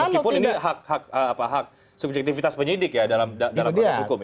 meskipun ini hak subjektivitas penyidik ya dalam proses hukum